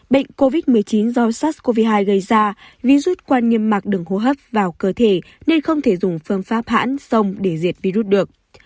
bệnh covid một mươi chín do sars cov hai gây ra virus quan nghiêm mạc đường hô hấp vào cơ thể nên không thể dùng phương pháp hãn sông để diệt virus được